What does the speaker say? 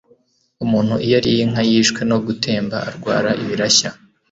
Umuntu iyo ariye inka yishwe no gutemba, arwara ibirashya,